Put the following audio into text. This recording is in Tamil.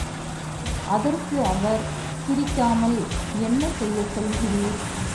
அதற்கு அவர், சிரிக்காமல் என்ன செய்ய சொல்கிறீர்?